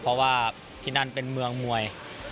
เพราะว่าที่นั่นเป็นเมืองมวย